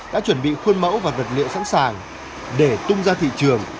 đã chuẩn bị khuôn mẫu và vật liệu sẵn sàng để tung ra thị trường